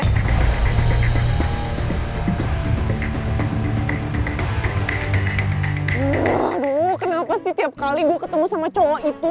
waduh kenapa sih tiap kali gue ketemu sama cowok itu